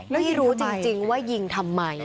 ไม่รู้จริงว่ายิงทำไม